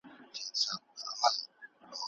د عزت ساتني دپاره سمه لار غوره کړه.